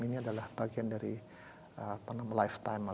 ini adalah bagian dari lifetime